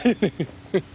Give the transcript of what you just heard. フフフッ。